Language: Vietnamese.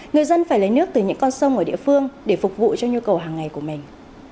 người dân phải lấy nước từ những con sông ở địa phương để phục vụ cho nhu cầu hàng ngày của mình